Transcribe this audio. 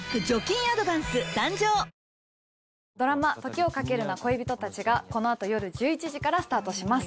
「時をかけるな、恋人たち」がこのあと夜１１時からスタートします。